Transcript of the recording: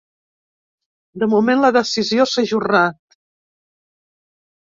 De moment, la decisió s’ha ajornat.